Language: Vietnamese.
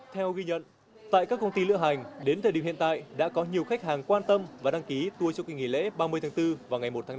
theo ghi nhận tại các công ty lựa hành đến thời điểm hiện tại đã có nhiều khách hàng quan tâm và đăng ký tour trong kỳ nghỉ lễ ba mươi tháng bốn và ngày một tháng bốn